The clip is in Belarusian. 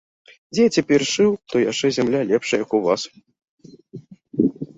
Дзе я цяпер шыў, то яшчэ зямля лепшая, як у вас.